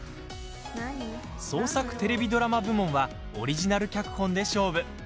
創作テレビドラマ部門はオリジナル脚本で勝負。